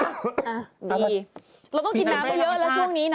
วันนี้ได้เราต้องกินน้ำไปเยอะแล้วช่วงนี้